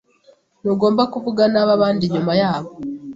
Ntugomba kuvuga nabi abandi inyuma yabo.